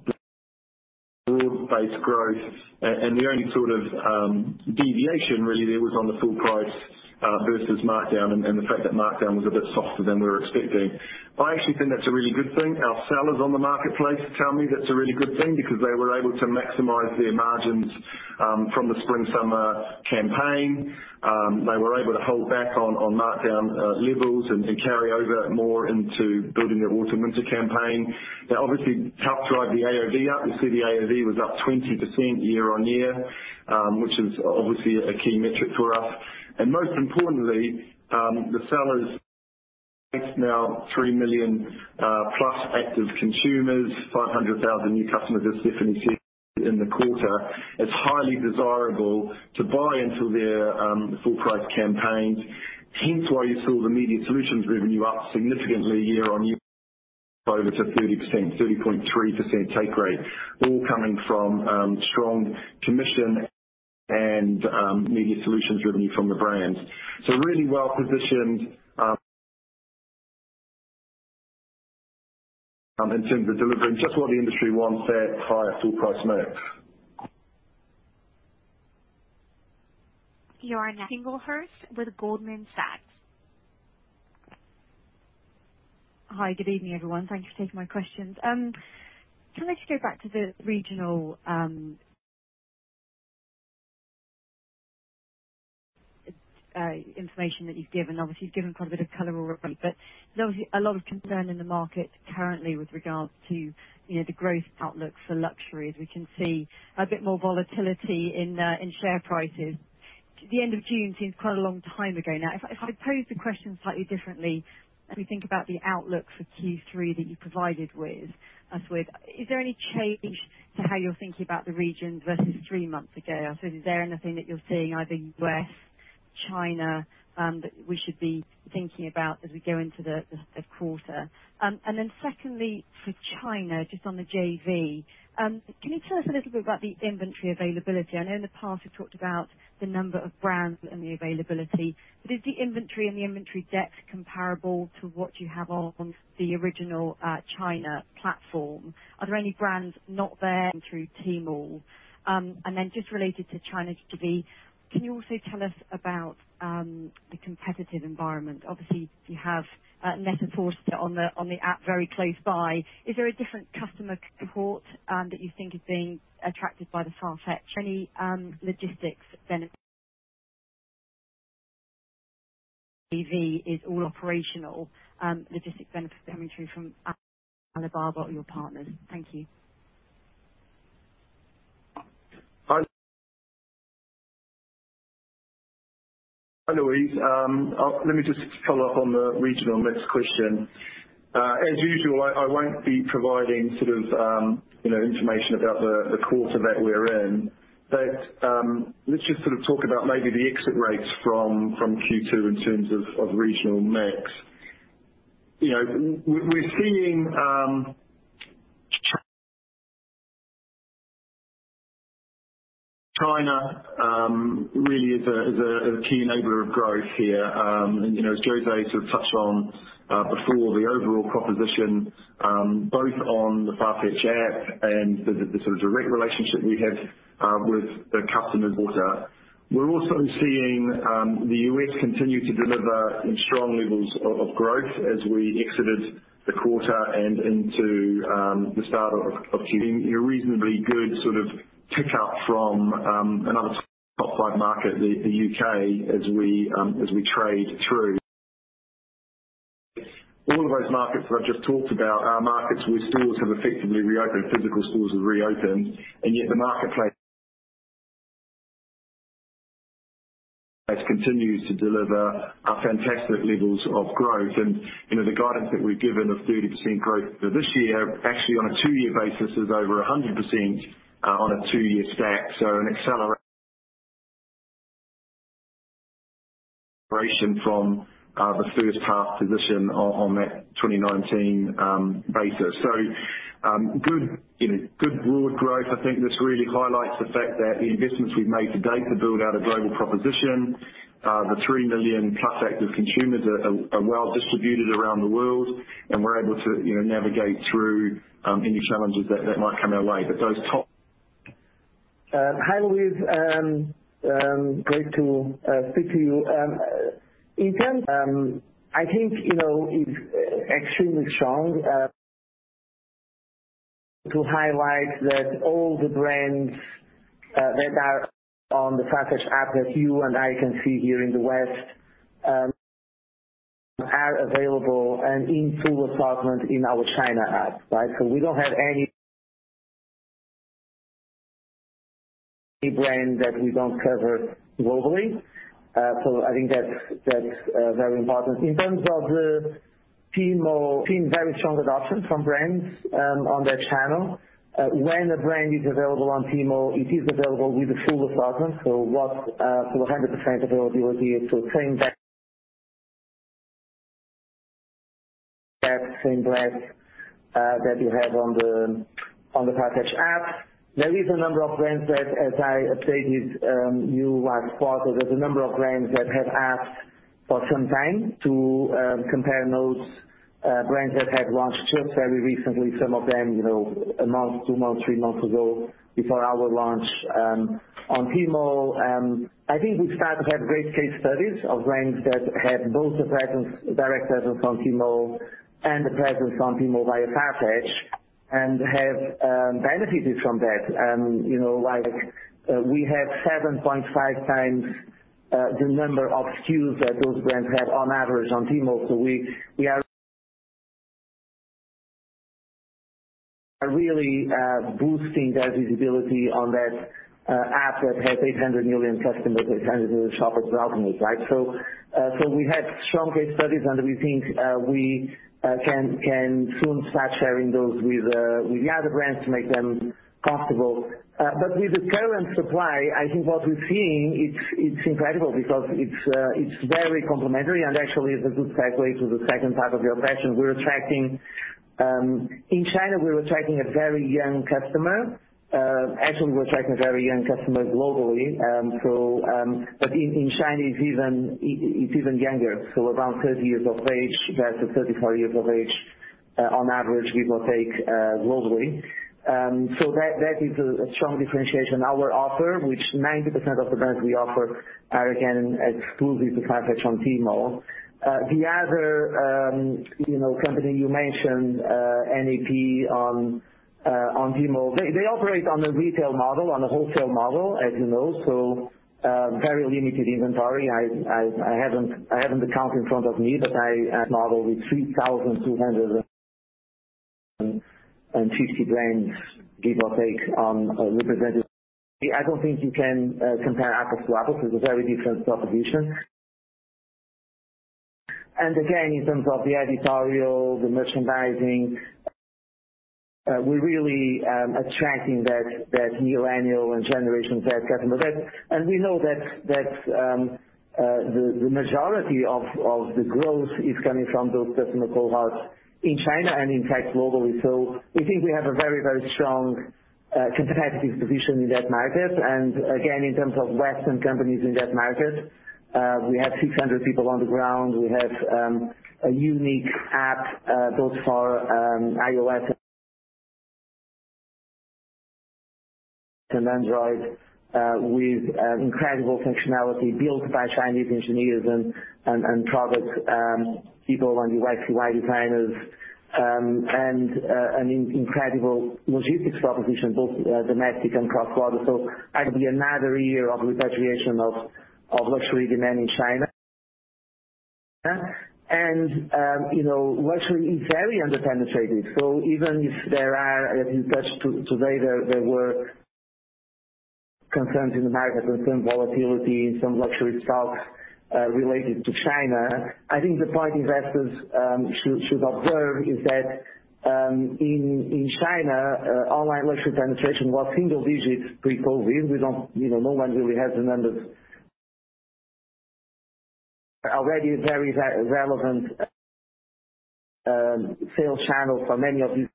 broad-based growth. The only sort of deviation really there was on the full price versus markdown and the fact that markdown was a bit softer than we were expecting. I actually think that's a really good thing. Our sellers on the marketplace tell me that's a really good thing because they were able to maximize their margins from the spring-summer campaign. They were able to hold back on markdown levels and carry over more into building their autumn-winter campaign. That obviously helped drive the AOV up. You see the AOV was up 20% year-on-year, which is obviously a key metric for us. Most importantly, the sellers now 3 million plus active consumers, 500,000 new customers as Stephanie said in the quarter. It's highly desirable to buy into their full price campaigns. Hence why you saw the media solutions revenue up significantly year-over-year over 30%, 30.3% take rate, all coming from strong commission and media solutions revenue from the brands. Really well positioned in terms of delivering just what the industry wants that higher full price mix. Your next, Louise Singlehurst with Goldman Sachs. Hi, good evening, everyone. Thank you for taking my questions. Can I just go back to the regional information that you've given? Obviously, you've given quite a bit of color already. There's obviously a lot of concern in the market currently with regards to the growth outlook for luxury, as we can see a bit more volatility in share prices. The end of June seems quite a long time ago now. If I pose the question slightly differently as we think about the outlook for Q3 that you provided us with, is there any change to how you're thinking about the regions versus three months ago? Is there anything that you're seeing either U.S., China, that we should be thinking about as we go into the quarter? Secondly, for China, just on the JV, can you tell us a little about the inventory availability? I know in the past you've talked about the number of brands and the availability, but is the inventory and the inventory depth comparable to what you have on the original China platform? Are there any brands not there and through Tmall? Related to China JV, can you also tell us about the competitive environment? Obviously, you have Net-a-Porter on the app very close by. Is there a different customer cohort that you think is being attracted by Farfetch, any logistics JV is all operational logistic benefit coming through from Alibaba or your partners? Thank you. Hi, Louise. Let me just follow up on the regional mix question. As usual, I won't be providing sort of information about the quarter that we're in. Let's just sort of talk about maybe the exit rates from Q2 in terms of regional mix. We're seeing China really is a key enabler of growth here. As José sort of touched on before, the overall proposition, both on the Farfetch app and the sort of direct relationship we have with the [customer bought out.] We're also seeing the U.S. continue to deliver in strong levels of growth as we exited the quarter and into the start of Q2. A reasonably good sort of pick up from another top five market, the U.K., as we trade through. All of those markets that I've just talked about are markets where stores have effectively reopened, physical stores have reopened, and yet the marketplace continues to deliver fantastic levels of growth. The guidance that we've given of 30% growth for this year, actually on a two-year basis is over 100% on a two-year stack, an acceleration from the first half position on that 2019 basis. Good broad growth. This really highlights the fact that the investments we've made to date to build out a global proposition, the 3 million-plus active consumers are well distributed around the world, and we're able to navigate through any challenges that might come our way. Hi, Louise. Great to speak to you. It's extremely strong to highlight that all the brands that are on the Farfetch app that you and I can see here in the West are available and in full assortment in our China app, right? We don't have any brand that we don't cover globally. That's very important. In terms of Tmall, seeing very strong adoption from brands on that channel. When a brand is available on Tmall, it is available with a full assortment. 100% availability with the same breadth that you have on the Farfetch app. There is a number of brands that, as I updated you last quarter, there's a number of brands that have asked for some time to compare notes. Brands that have launched just very recently, some of them one month, two months, three months ago, before our launch on Tmall. I think we start to have great case studies of brands that have both a direct presence on Tmall and a presence on Tmall via Farfetch, and have benefited from that. Like, we have 7.5 times the number of SKUs that those brands have on average on Tmall. We are really boosting their visibility on that app that has 800 million customers, 800 million shoppers browsing it, right? We have strong case studies, and we think we can soon start sharing those with the other brands to make them comfortable. With the current supply, I think what we're seeing, it's incredible because it's very complementary and actually is a good segue to the second part of your question. In China, we're attracting a very young customer. Actually, we're attracting a very young customer globally. In China, it's even younger, around 30 years of age versus 34 years of age, on average, give or take, globally. That is a strong differentiation. Our offer, which 90% of the brands we offer are, again, exclusively through Farfetch on Tmall. The other company you mentioned, NAP, on Tmall, they operate on a retail model, on a wholesale model, as you know. Very limited inventory. I haven't had a count in front of me that I marketplace model with brands 3,250 brands, give or take, represented. I don't think you can compare apples to apples. It's a very different proposition. Again, in terms of the editorial, the merchandising, we're really attracting that millennial and Generation Z customer. We know that the majority of the growth is coming from those customer cohorts in China and, in fact, globally. We think we have a very strong competitive position in that market. Again, in terms of Western companies in that market, we have 600 people on the ground. We have a unique app built for iOS and Android, with incredible functionality built by Chinese engineers and product people and UX/UI designers, and an incredible logistics proposition, both domestic and cross-border. It will be another year of repatriation of luxury demand in China. Luxury is very under-penetrated. Even if there are, as you touched today, there were concerns in the market, volatility in some luxury stocks, related to China. The point investors should observe is that in China, online luxury penetration was single digits pre-COVID. [No one really has the numbers] are already very relevant sales channels for many of these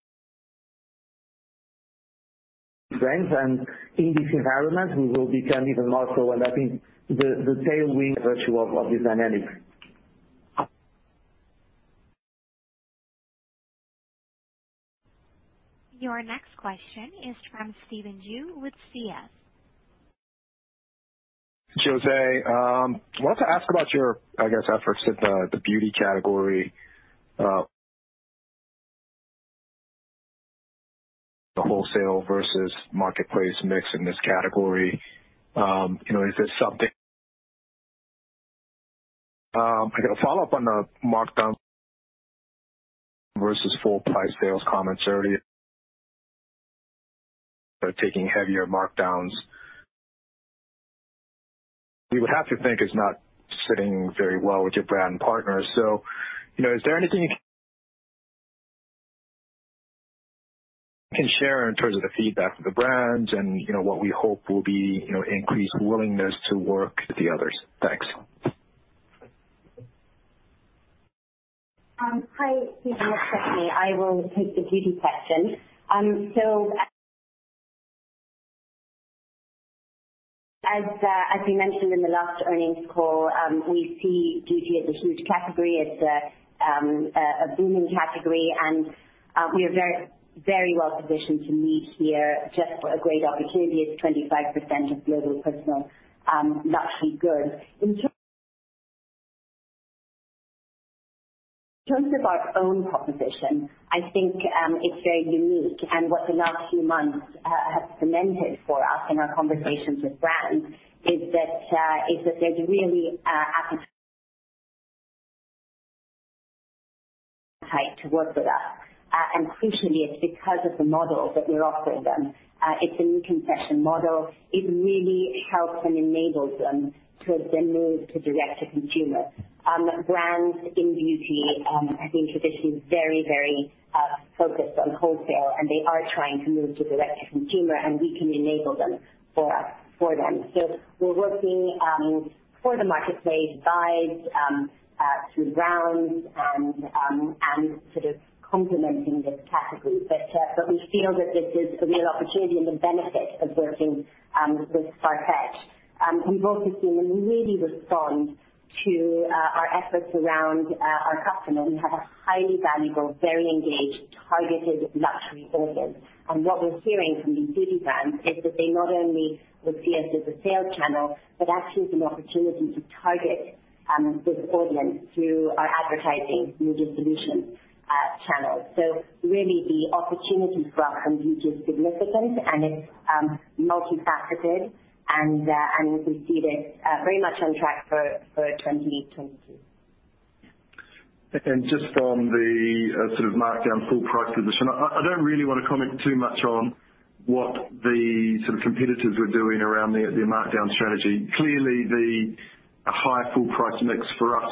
brands. In this environment, we will become even more so. I think the tailwind virtue of this dynamic. Your next question is from Stephen Ju with CS. José, wanted to ask about your, efforts at the beauty category. The wholesale versus marketplace mix in this category. Is there something I got a follow-up on the markdown versus full price sales comments earlier? Taking heavier markdowns. We would have to think it's not sitting very well with your brand partners. Is there anything you can share in terms of the feedback from the brands and what we hope will be increased willingness to work with the others? Thanks. Hi. This is Stephanie Phair. I will take the beauty question. As we mentioned in the last earnings call, we see beauty as a huge category. It's a booming category, and we are very well positioned to lead here. Just a great opportunity. It's 25% of global personal luxury goods. In terms of our own proposition, I think it's very unique and what the last few months have cemented for us in our conversations with brands is that there's a real appetite to work with us. Crucially, it's because of the model that we're offering them. It's a new concession model. It really helps and enables them to then move to direct to consumer. Brands in beauty have been traditionally very focused on wholesale, and they are trying to move to direct to consumer, and we can enable them for them. We're working for the marketplace buys through brands and sort of complementing this category. We feel that this is a real opportunity and the benefit of working with Farfetch. We've also seen them really respond to our efforts around our customer. We have a highly valuable, very engaged, targeted luxury audience. What we're hearing from these beauty brands is that they not only will see us as a sales channel, but actually as an opportunity to target this audience through our advertising media solutions channels. Really the opportunity for us in beauty is significant, and it's multifaceted, and we see this very much on track for 2022. Just on the sort of markdown full price position, I don't really want to comment too much on what the sort of competitors are doing around their markdown strategy. Clearly, the high full price mix for us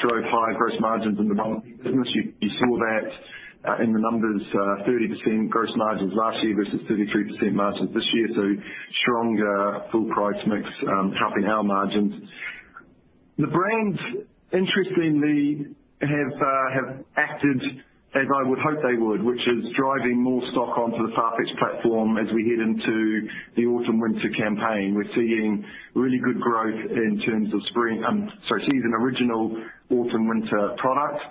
drove higher gross margins in the business. You saw that in the numbers, 30% gross margins last year versus 33% margins this year. Stronger full price mix helping our margins. The brands, interestingly, have acted as I would hope they would, which is driving more stock onto the Farfetch platform as we head into the autumn-winter campaign. We're seeing really good growth in terms of spring, sorry, season original autumn-winter product,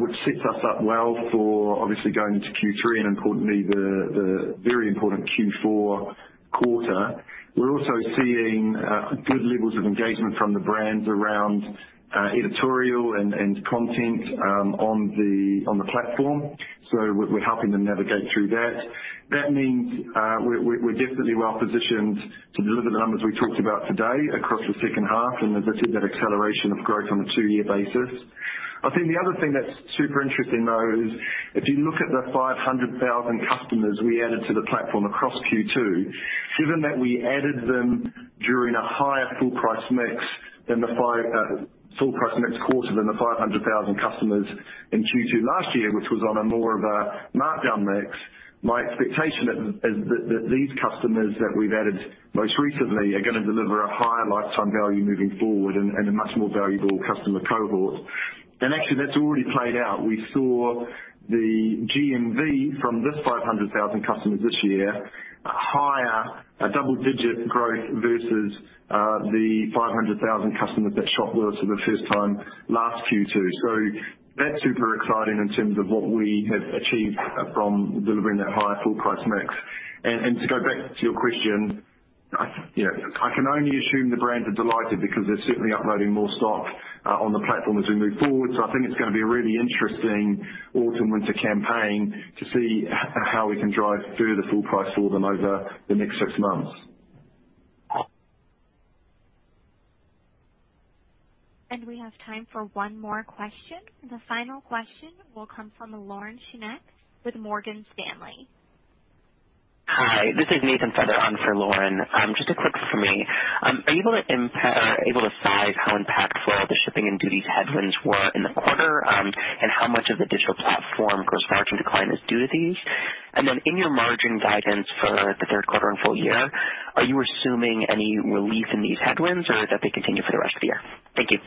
which sets us up well for obviously going into Q3 and importantly, the very important Q4 quarter. We're also seeing good levels of engagement from the brands around editorial and content on the platform. We're helping them navigate through that. That means we're definitely well positioned to deliver the numbers we talked about today across the second half and deliver that acceleration of growth on a two-year basis. The other thing that's super interesting, though, is if you look at the 500,000 customers we added to the platform across Q2, given that we added them during a higher full price mix quarter than the 500,000 customers in Q2 last year, which was on a more of a markdown mix, my expectation is that these customers that we've added most recently are going to deliver a higher lifetime value moving forward and a much more valuable customer cohort. Actually, that's already played out. We saw the GMV from this 500,000 customers this year, higher, a double-digit growth versus, the 500,000 customers that shopped with us for the first time last Q2. That's super exciting in terms of what we have achieved from delivering that higher full price mix. To go back to your question, I can only assume the brands are delighted because they're certainly uploading more stock on the platform as we move forward. I think it's going to be a really interesting autumn-winter campaign to see how we can drive through the full price autumn over the next six months. We have time for one more question. The final question will come from Lauren Schenk with Morgan Stanley. Hi, this is Nathan Feather on for Lauren. Just a quick for me. Are you able to size how impactful the shipping and duties headwinds were in the quarter? How much of the digital platform gross margin decline is due to these? In your margin guidance for the third quarter and full year, are you assuming any relief in these headwinds or that they continue for the rest of the year? Thank you.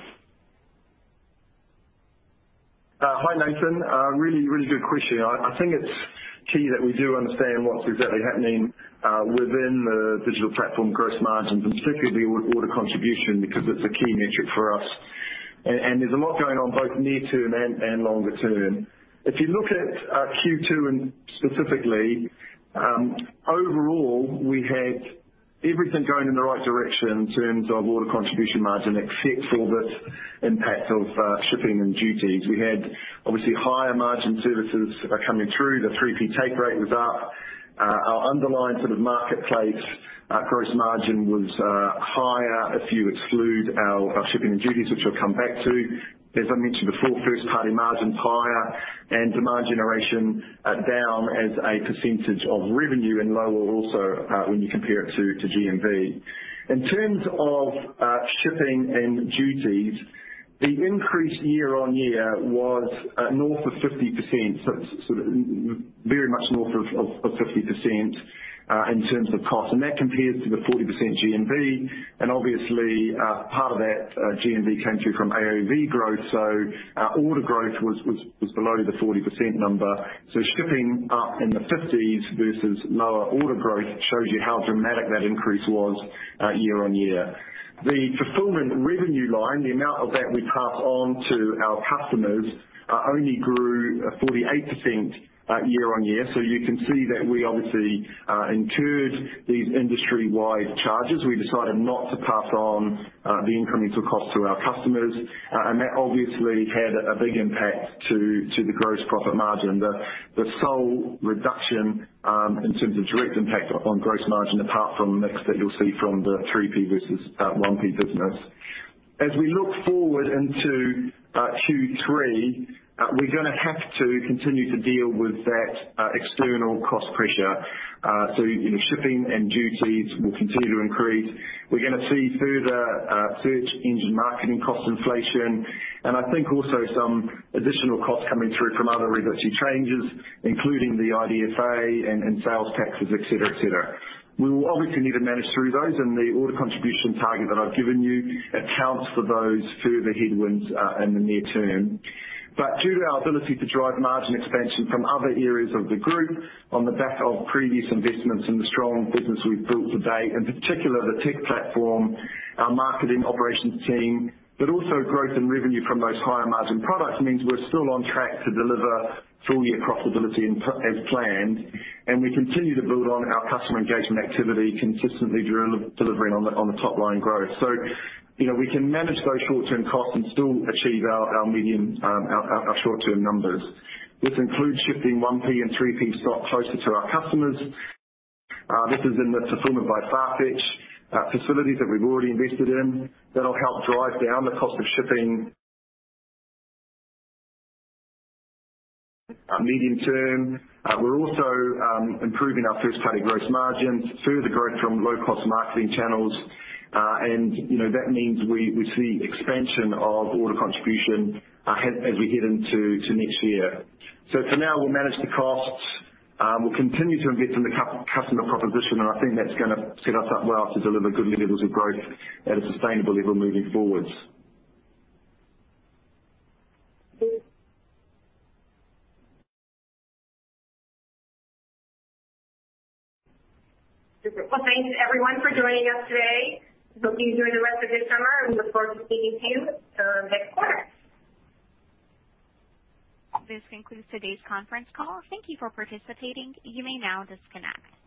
Hi, Nathan. Really good question. It's key that we do understand what's exactly happening within the digital platform gross margins, and particularly order contribution, because it's a key metric for us. There's a lot going on both near term and longer term. If you look at Q2 specifically, overall, we had everything going in the right direction in terms of order contribution margin, except for the impact of shipping and duties. We had obviously higher margin services coming through. The 3P take rate was up. Our underlying sort of marketplace gross margin was higher if you exclude our shipping and duties, which I'll come back to. As I mentioned before, first-party margin is higher and demand generation down as a percentage of revenue and lower also when you compare it to GMV. In terms of shipping and duties, the increase year-on-year was north of 50%, so it's very much north of 50% in terms of cost. That compares to the 40% GMV. Obviously, part of that GMV came through from AOV growth. Order growth was below the 40% number. Shipping up in the 50s versus lower order growth shows you how dramatic that increase was year-on-year. The fulfillment revenue line, the amount of that we pass on to our customers only grew 48% year-on-year. You can see that we obviously incurred these industry-wide charges. We decided not to pass on the incremental cost to our customers. That obviously had a big impact to the gross profit margin, the sole reduction in terms of direct impact on gross margin, apart from mix that you'll see from the 3P versus 1P business. As we look forward into Q3, we're going to have to continue to deal with that external cost pressure. Shipping and duties will continue to increase. We're going to see further search engine marketing cost inflation, and I think also some additional costs coming through from other regulatory changes, including the IDFA and sales taxes, et cetera. We will obviously need to manage through those and the order contribution target that I've given you accounts for those further headwinds in the near term. Due to our ability to drive margin expansion from other areas of the group on the back of previous investments in the strong business we've built to date, in particular the tech platform, our marketing operations team, also growth in revenue from those higher margin products means we're still on track to deliver full-year profitability as planned. We continue to build on our customer engagement activity, consistently delivering on the top-line growth. We can manage those short-term costs and still achieve our short-term numbers. This includes shifting 1P and 3P stock closer to our customers. This is in the Fulfilment by Farfetch facilities that we've already invested in. That'll help drive down the cost of shipping medium term. We're also improving our first-party gross margins through the growth from low-cost marketing channels. That means we see expansion of order contribution as we head into next year. For now, we'll manage the costs. We'll continue to invest in the customer proposition, and I think that's going to set us up well to deliver good levels of growth at a sustainable level moving forwards. Well, thanks everyone for joining us today. Hope you enjoy the rest of your summer, and we look forward to speaking to you next quarter. This concludes today's conference call. Thank you for participating. You may now disconnect.